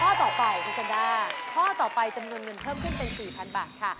ข้อต่อไปคุณแนนด้าข้อต่อไปจำนวนเงินเพิ่มขึ้นเป็น๔๐๐บาทค่ะ